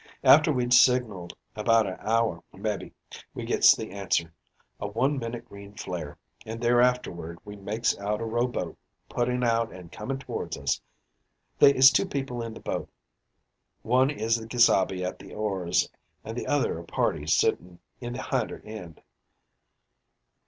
After we'd signaled about a hour, mebbee, we gits the answer a one minute green flare, and thereafterward we makes out a rowboat putting out and comin' towards us. They is two people in the boat. One is the gesabe at the oars an' the other a party sitting in the hinder end.